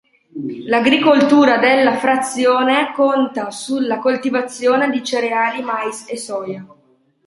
L'agricoltura della frazione conta sulla coltivazione di cereali, mais e soia.